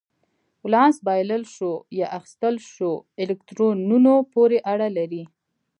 ولانس بایلل شوو یا اخیستل شوو الکترونونو پورې اړه لري.